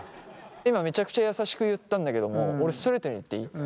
今めちゃくちゃ優しく言ったんだけども俺ストレートに言っていい？